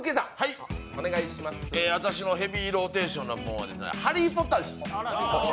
私のヘビーローテーションなもんは「ハリー・ポッター」です。